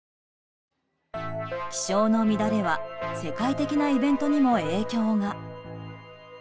気象の乱れは世界的なイベントにも影響が。